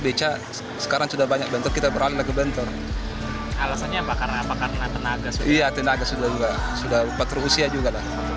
becak sekarang sudah banyak bentuk kita beranak bentor alasannya bakal apa karena tenaga iya tenaga